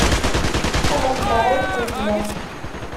Ahat deg rray i ten-uɣen.